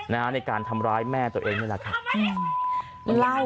ในการทำร้ายแม่ตัวเองนี่แหละค่ะ